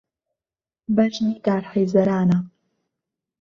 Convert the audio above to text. بهژنی دار حهیزهرانه